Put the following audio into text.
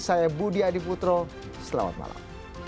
saya budi adiputro selamat malam